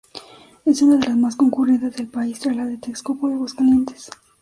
Es una de las más concurridas del país, tras la de Texcoco y Aguascalientes.